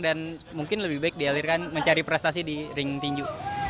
dan mungkin lebih baik dialirkan mencari prestasi di ring tinju